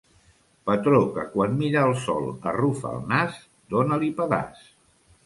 Patró que quan mira el sol arrufa el nas, dona-li pedaç.